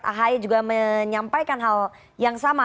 ahy juga menyampaikan hal yang sama